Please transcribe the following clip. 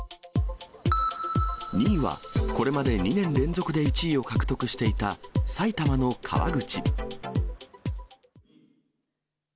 ２位はこれまで２年連続で１位を獲得していた埼玉の川口。